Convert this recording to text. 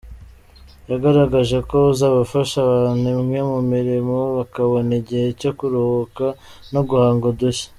Yagaragaje ko buzafasha abantu imwe mu mirimo bakabona igihe cyo kuruhuka no guhanga udushya.